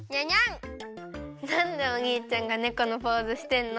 なんでおにいちゃんがねこのポーズしてんの？